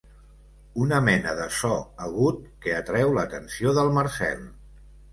Una mena de so agut que atreu l'atenció del Marcel.